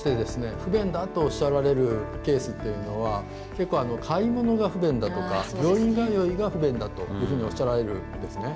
不便だとおっしゃられるケースというのは結構、買い物が不便とか病院通いが不便だとおっしゃられるんですね。